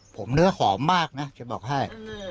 ผมเนื้อหอมมากนะแกบอกให้